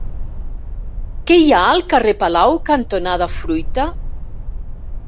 Què hi ha al carrer Palau cantonada Fruita?